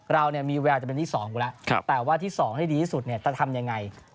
เรามีแววจะเป็นที่๒อยู่แล้วแต่ว่าที่๒ให้ดีที่สุดจะทำยังไง